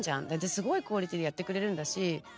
すごいクオリティーでやってくれるんだし